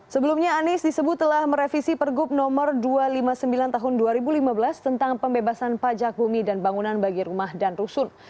sebelumnya anies disebut telah merevisi pergub nomor dua ratus lima puluh sembilan tahun dua ribu lima belas tentang pembebasan pajak bumi dan bangunan bagi rumah dan rusun